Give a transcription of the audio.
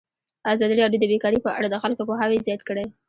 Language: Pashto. ازادي راډیو د بیکاري په اړه د خلکو پوهاوی زیات کړی.